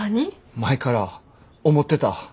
前から思ってた。